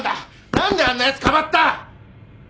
なんであんな奴かばった！